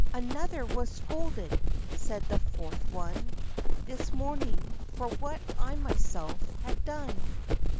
" Another was scolded," said the fourth one, "This morning, for what I myself had done.